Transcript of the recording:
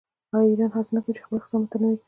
آیا ایران هڅه نه کوي چې خپل اقتصاد متنوع کړي؟